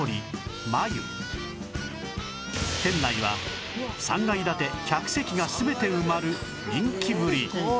店内は３階建て１００席が全て埋まる人気ぶり